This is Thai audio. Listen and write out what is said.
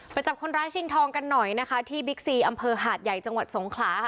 จับคนร้ายชิงทองกันหน่อยนะคะที่บิ๊กซีอำเภอหาดใหญ่จังหวัดสงขลาค่ะ